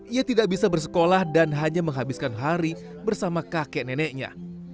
ia tidak bisa bersekolah dan hanya menghabiskan hari bersama kakek neneknya